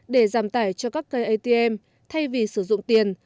để giảm tải cho các cây atm thay vì sử dụng tiền